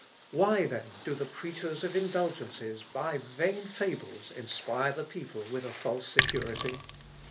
Why, then, do the preachers of indulgences by vain fables inspire the people with a false security?